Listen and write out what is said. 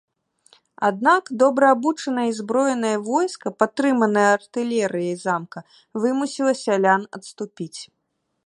Аднак добра абучанае і ўзброенае войска, падтрыманае артылерыяй замка, вымусіла сялян адступіць.